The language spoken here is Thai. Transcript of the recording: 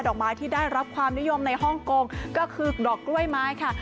อกไม้ที่ได้รับความนิยมในฮ่องกงก็คือดอกกล้วยไม้ค่ะ